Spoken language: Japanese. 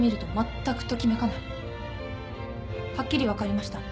はっきり分かりました。